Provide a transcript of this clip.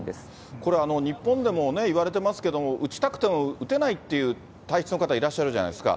これ、日本でもいわれてますけど、打ちたくても打てないっていう体質の方いらっしゃるじゃないですか。